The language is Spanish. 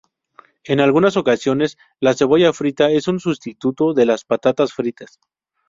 En algunas ocasiones la cebolla frita es un sustituto de las patatas fritas.